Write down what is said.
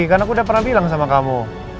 karena aku udah pernah bilang sama kamu